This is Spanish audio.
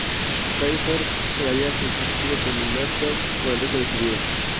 Crawford quedaría resentido con Lecter por el resto de su vida.